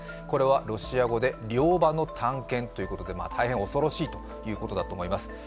これはロシア語で両刃の短剣ということで、大変恐ろしいということだと思います。